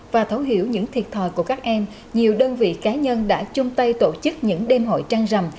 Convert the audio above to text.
và thấu hiểu những thiệt thòi của các em nhiều đơn vị cá nhân đã chung tay tổ chức những đêm hội trăng rằm